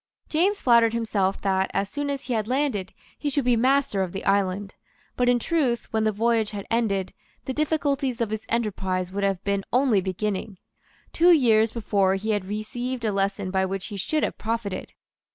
James flattered himself that, as soon as he had landed, he should be master of the island. But in truth, when the voyage had ended, the difficulties of his enterprise would have been only beginning. Two years before he had received a lesson by which he should have profited.